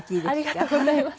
ありがとうございます。